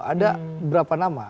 ada berapa nama